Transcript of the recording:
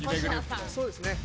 そうですね。